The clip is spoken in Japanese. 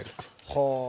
はあ。